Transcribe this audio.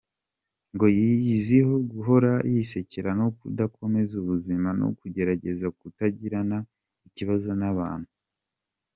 Ngo yiyiziho guhora yisekera no kudakomeza ubuzima no kugerageza kutagirana ikibazo n’abantu.